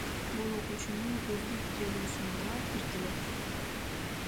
Бул окуучунун өздүк делосуна тиркелет.